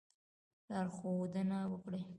لارښودنه وکړي.